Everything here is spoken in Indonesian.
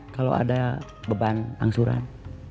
kalau ada beban angsuran